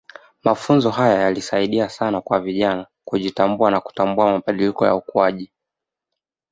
Mafunzo haya yalisaidia sana kwa vijana kujitambua na kutambua mabadiliko ya ukuaji